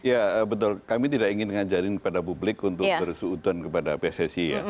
ya betul kami tidak ingin mengajarin pada publik untuk berseutuan kepada pssi